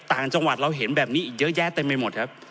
ต่างจังหวัดเราเห็นแบบนี้อีกเยอะแยะเต็มไปหมดครับ